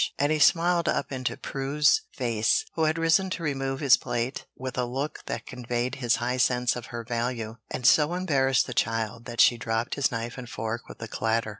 And he smiled up into Prue's face, who had risen to remove his plate, with a look that conveyed his high sense of her value, and so embarrassed the child that she dropped his knife and fork with a clatter.